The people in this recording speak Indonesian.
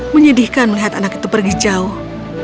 menyedihkan melihat anak itu pergi jauh